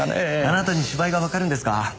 あなたに芝居がわかるんですか？